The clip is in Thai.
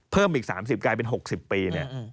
เพิ่มอีก๓๐กลายเป็น๖๐ปีเนี่ย